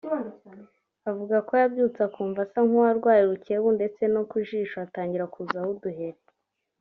Avuga ko yabyutse akumva asa nk’ uwarwaye urukebu ndetse no ku ijosi hatangira kuzaho uduheri